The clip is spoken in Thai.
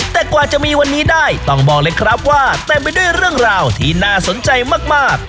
แต่กว่าจะมีวันนี้ได้ต้องบอกเลยครับว่าเต็มไปด้วยเรื่องราวที่น่าสนใจมาก